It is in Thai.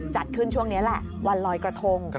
จัดขึ้นช่วงนี้แหละวันลอยกระทง